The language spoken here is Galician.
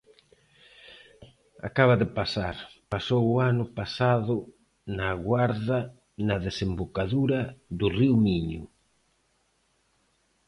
Acaba de pasar, pasou o ano pasado na Guarda na desembocadura do río Miño.